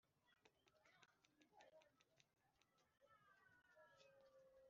agenda ibirenge byambaye ibirenge bitegereza inkweto z'umuntu wapfuye.